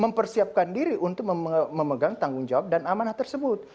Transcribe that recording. mempersiapkan diri untuk memegang tanggung jawab dan amanah tersebut